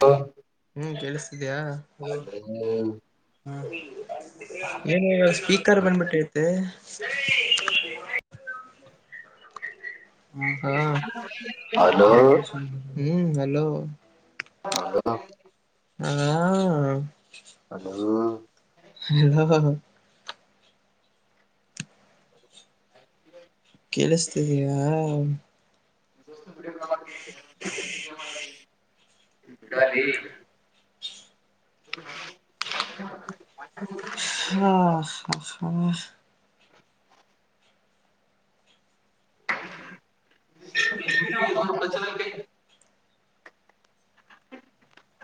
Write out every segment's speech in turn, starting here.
ತಂಗೋ ಹ್ಮ್ ಕೇಳಿಸತಿದಯ ಹ [unintelligible] ಏನು ಇವತ್ತು ಸ್ಪೀಕರ್ ಬಂದಬಿಟ್ಟಿತೆ. ಹಾ ಹಲೋ [unintelligible] ಹ್ಮ್ ಹಲೋ ಹಲೋ ಹಾ ಹಲೋ [unintelligible] ಕೇಳಿಸತಿದೀಯಾ [unintelligible] ಬಿಡಲೇ ಹ ಹಾ [unintelligible]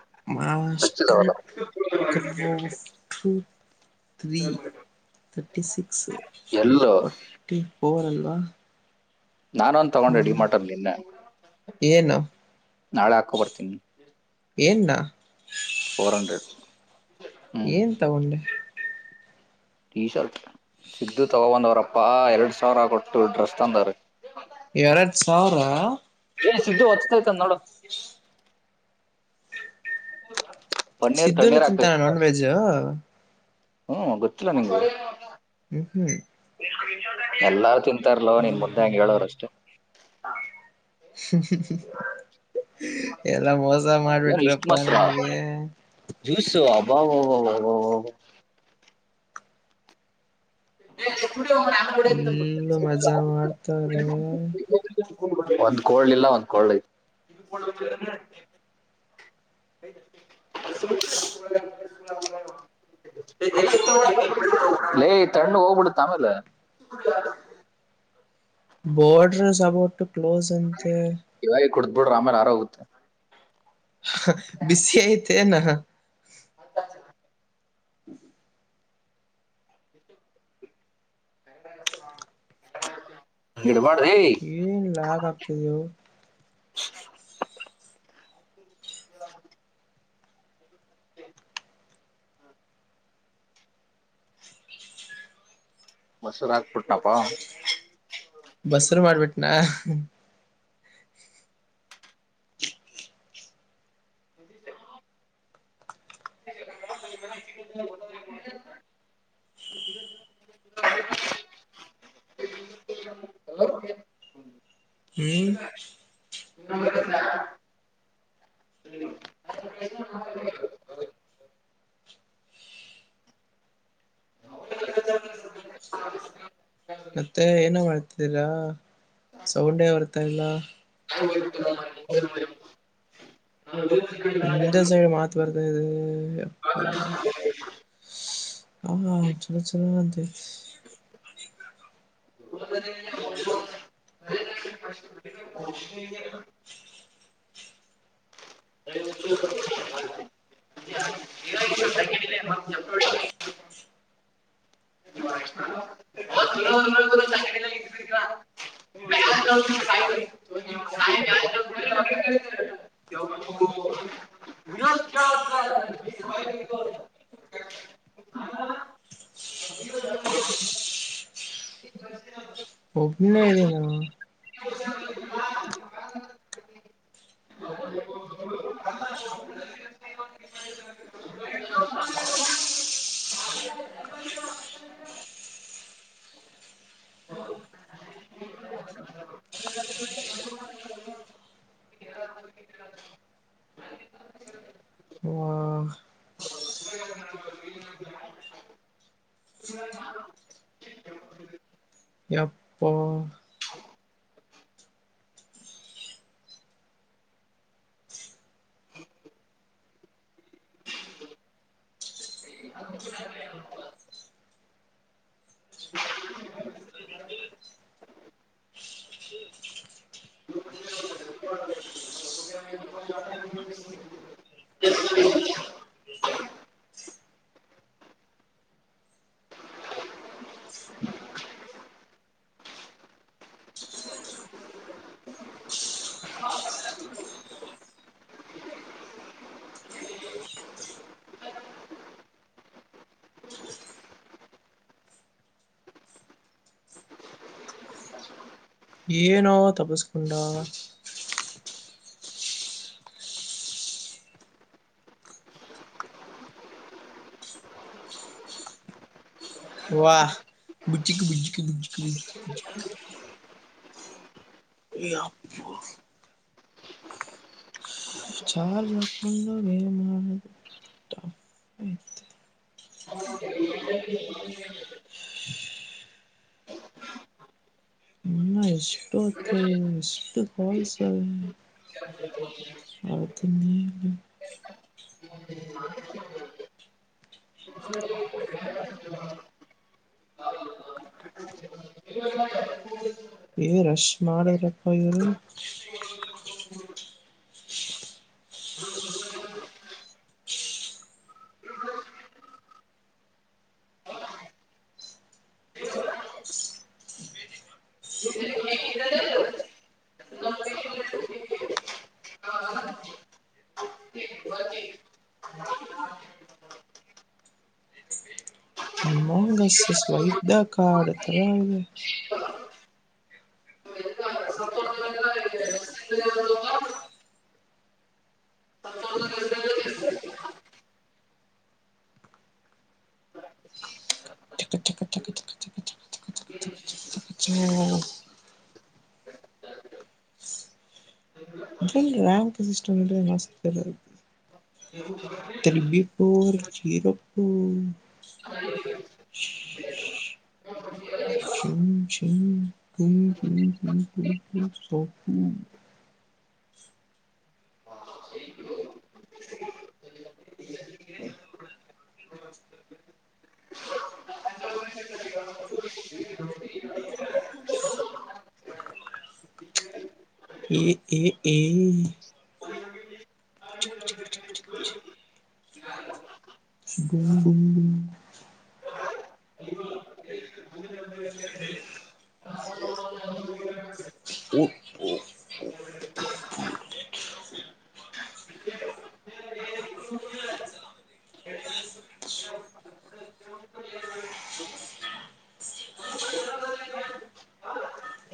[unintelligible] ಹಚ್ಚಿದವಲ್ಲ ತ್ರೀ ತರ್ಟಿ ಸಿಕ್ಸ್ ಎಲ್ಲೋ ಫಾರ್ಟಿ ಫೋರ್ ಅಲ್ವಾ. ನಾನೊಂದ್ ತಗೊಂಡೆ ಡಿ ಹ್ಮ್ ಮಾರ್ಟಲ್ಲಿ ನಿನ್ನೆ. ಏನು ನಾಳೆ ಹಾಕೋ ಬರ್ತೀನಿ. ಏನ್ನ? Four hundred. ಹ್ಮ್ ಏನ್ ತಗೊಂಡೆ? ಟೀ ಶರ್ಟ್, ಸಿದ್ದು ತಗೊ ಬಂದವರಪ್ಪಾ ಎರಡು ಸಾವಿರ ಕೊಟ್ಟು ಡ್ರೆಸ್ ತಂದೊರೆ. ಎರಡು ಸಾವ್ರ? ಏ ಸಿದ್ದು ಹಚ್ತೈತೆನ್ ನೋಡು. ಪಣ್ಣೀರ್ ಸಿದ್ದುನು ತಣ್ಣೀರ್ ಆಗ್ತೖ ತಿಂತಾನ ನಾನ್ ವೆಜ್ ಹ್ಮ್ ಗೊತ್ತಿಲ್ಲ ನಿಮ್ಗೆ. ಹ್ಮ್ ಹ್ಮ್ ಎಲ್ಲಾರು ತಿಂತಾರ್ಲೋ ನಿನ್ ಮುಂದೆ ಹಂಗೆ ಹೇಳ್ವರಷ್ಟೇ. [inaudible] ಹ್ಮ್ಮ ಎಲ್ಲಾ ಮೋಸ ಏನ್ ಇಷ್ಟ್ ಮಾಡ್ಬಿಟ್ರಪ್ಪಾ ಮೊಸ್ರ ನನಗೆ. ಹ್ಮ ಹ ಫುಲ್ಲು ಮಜಾ ಮಾಡ್ತವ್ರೆ [unintelligible] ಒಂದ್ ಕೋಲ್ಡ್ ಇಲ್ಲ ಒಂದ್ ಕೋಲ್ಡ್ ಐತ್. [unintelligible] ಲೇ ತಣ್ಣು ಹೋಗ್ಬಿಡುತ್ತ ಆಮೇಲೆ. ಬೋರ್ಡ್ರಸ್ ಅಬೌಟ್ ಕ್ಲೋಸ್ ಅಂತೆ. ಕುಡುದ್ಬಿಡ್ರ್ ಆಮೇಲೆ ಆರೋಗುತ್ತೆ. ಬಿಸಿ ಐತೆನ? ಹ್ಮ್ ನಿಡುಬ ಏನ್ ಲ ಆಗ್ತಿದೆ? [unintelligible] ಹ ಮೊಸ್ರು ಆಕ್ಬುಟ್ನಪ್ಪ. ಬಸ್ರು ಮಾಡ್ಬಿಟ್ನಾ. ಅ ಚ [unintelligible] ಹಲೋ [unintelligible] ಹ್ಮ್ [unintelligible] ಮತ್ತೆ ಏನೊ ಮಾಡ್ತಿದ್ದೀರಾ ಸೌಂಡೇ ಬರ್ತ ಇಲ್ಲ. [unintelligible] ಹಿಂದೆ ಸೈಡ್ ಮಾತ್ ಬರ್ತ ಇದೆ ಅಪ್ಪ. ಹಾ ಚಲ ಚಲ ಅಂತೆ. [unintelligible] [unintelligible] ಅ [unintelligible] [unintelligible] [unintelligible] [unintelligible] [unintelligible] ಮ ಒನ್ನ ಎದಿನ ವಾ ಅಪ್ಪ [inaudible] [inaudible] [inaudible] [unintelligible] ಏನೋ ತಪಸ್ಕೊಂಡಾ ವಾಹ್ ಅಪ್ಪ ಚಾರ್ಜ್ ಹಕೊಂಡಾಗ ಏ ಮಾಡುದು ಆಯ್ತು [inaudible] ಇನ್ನ ಎಷ್ಟು ಹೊತ್ತ ಎಷ್ಟು ಕಾಲ್ಸ್ ಅತನ್ನ ಏ ರಶ್ ಮಾಡಿದ್ರಪ್ಪ ಇವರು ಕಾಂಗಸ್ ಸ್ವೈಪ್ ಕಾರಾರ್ಡ್ ತರ ಇದೆ ಚಕ ಚಕ ಚಕ ಜ ಇ ರಾಮ ಸಮ ನಸ್ರ ಇದ ತರಪಿ ಪುರ ಚೀರೋಪ್ಪುರ್ ಚುಮ್ಮುಚುಮ್ಮು ಕೂಮ್ಮ ಕೂಮ್ಮ ಹೂ ಹೂ ಹೂ ಎ ಎ ಎಏ ಗುಮ್ಮ ಗುಮ್ಮ ಗುಮ್ಮ [inaudible] ಹೂ ಹೂ ಹೂಹೂ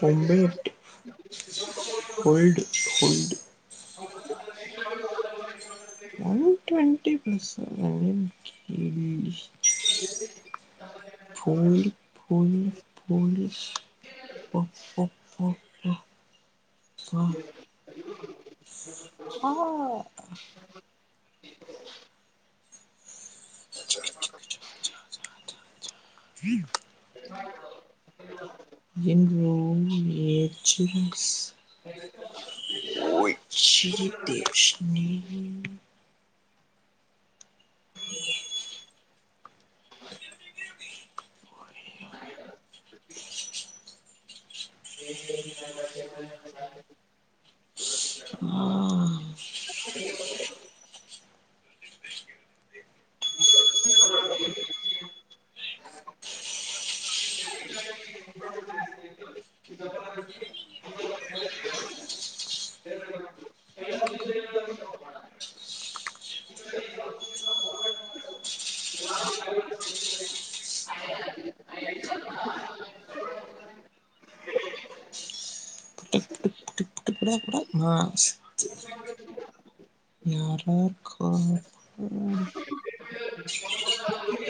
ಮುಂಬೈ ಎಟ್ಟು ಹೋಲ್ಡ್ ಹೋಲ್ಡ್ ಪ್ರಸ ಹೇಳಿ [inaudible] [unintelligible] ಹಾ ಕಟ್ಟಕಡ ಕೂ ನ ಸಿು ನರಕ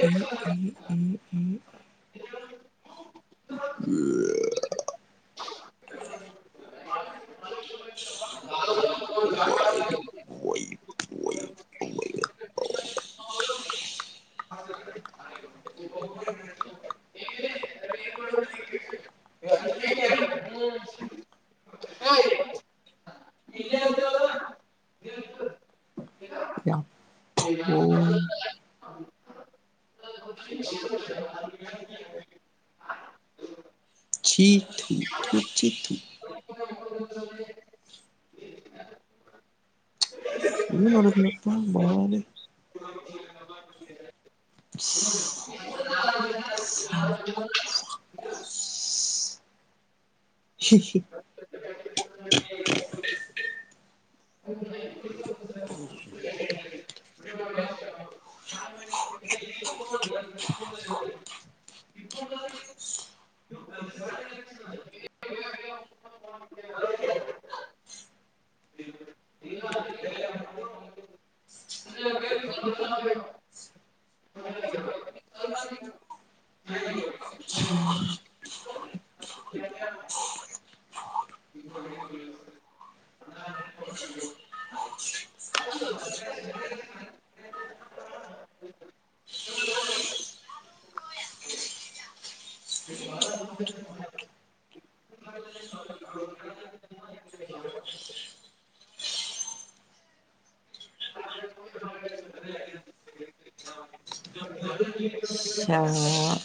ಎ ಎ ಎ ಎ ವೈ ವೈ ವೈ ವೈ ಯಪ್ಪೋ ಚಿ ತು ತೂ ಚಿ ತೂ ಏನನೊಡ್ಡಪ್ಪಾ ಬಾಲ ಹಾ ಶಿಖಿ ಶಾ ಆಆ